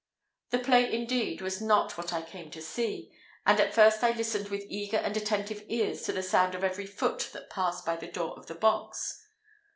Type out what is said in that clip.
The play, indeed, was not what I came to see; and at first I listened with eager and attentive ears to the sound of every foot that passed by the door of the box.